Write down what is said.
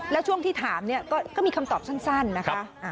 แล้วช่วงที่ถามเนี่ยก็มีคำตอบสั้นนะคะ